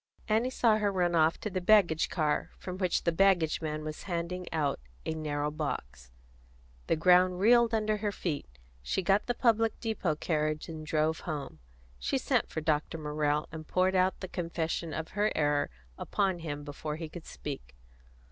Annie saw her run off to the baggage car, from which the baggage man was handing out a narrow box. The ground reeled under her feet; she got the public depot carriage and drove home. She sent for Dr. Morrell, and poured out the confession of her error upon him before he could speak.